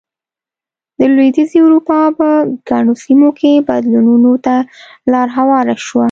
د لوېدیځې اروپا په ګڼو سیمو کې بدلونونو ته لار هواره شوه.